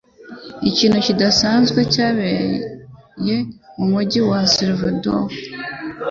Ikintu kidasanzwe cyabaye mumujyi wa Salvador